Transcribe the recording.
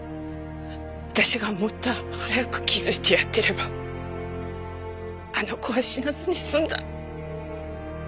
私がもっと早く気付いてやってればあの子は死なずに済んだ。